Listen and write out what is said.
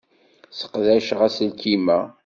Sseqdaceɣ aselkim-a.